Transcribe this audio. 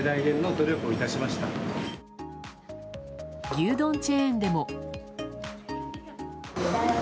牛丼チェーンでも。